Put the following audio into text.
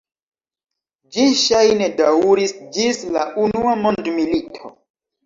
Ĝi ŝajne daŭris ĝis la unua mondmilito.